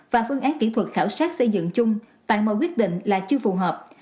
và phương án kỹ thuật khảo sát xây dựng chung tại mỗi quyết định là chưa phù hợp